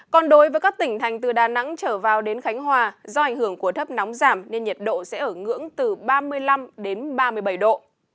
còn đối với các tỉnh thành từ đà nẵng trở vào đến khánh hòa do ảnh hưởng của thấp nóng giảm nên nhiệt độ sẽ ở ngưỡng từ ba mươi năm đến ba mươi bảy độ